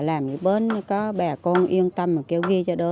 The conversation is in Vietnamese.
làm ở bên có bà con yên tâm kêu ghi cho đó